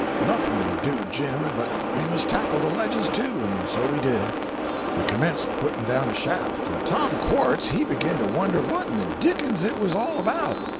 Noth'n' would do Jim, but we must tackle the ledges, too, 'n' so we did. We commenced put'n' down a shaft, 'n' Tom Quartz he begin to wonder what in the Dickens it was all about.